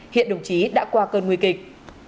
hiện đồng chí đã qua cơn nguy kịch